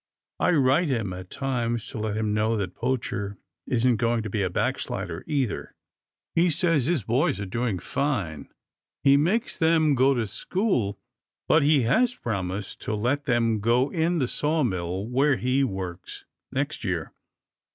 I write him at times, to let him know that Poacher isn't going to be a backslider, either. He says his boys are doing fine. He makes them go to school, but he has promised to let them go in the sawmill where he works next year."